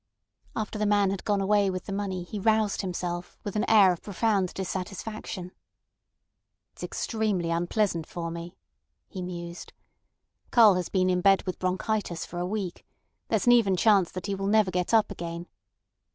After the man had gone away with the money he roused himself, with an air of profound dissatisfaction. "It's extremely unpleasant for me," he mused. "Karl has been in bed with bronchitis for a week. There's an even chance that he will never get up again.